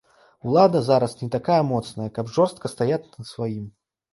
Улада зараз не такая моцная, каб жорстка стаяць на сваім.